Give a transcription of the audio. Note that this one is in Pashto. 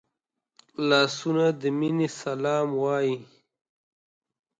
لاسونه د مینې سلام وايي